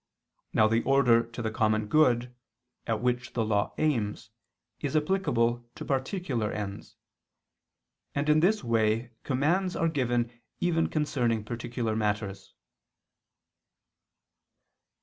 Now the order to the common good, at which the law aims, is applicable to particular ends. And in this way commands are given even concerning particular matters.